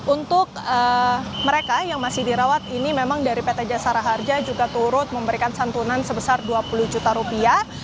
untuk mereka yang masih dirawat ini memang dari pt jasara harja juga turut memberikan santunan sebesar dua puluh juta rupiah